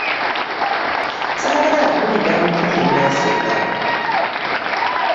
Ssagaala kuwulira muntu yenna aseka!